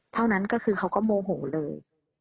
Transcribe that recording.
เท่านั้นก็คือเขาก็โมโหเลย